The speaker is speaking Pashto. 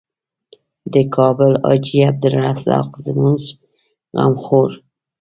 د کابل حاجي عبدالرزاق زموږ غم خوړ.